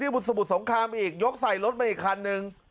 ที่บุษบุษสงครามอีกยกใส่รถมาอีกคันนึง